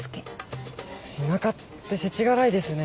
田舎って世知辛いですね。